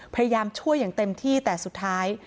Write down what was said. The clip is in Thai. พยายามช่วยอย่างเต็มที่แต่สุดท้าย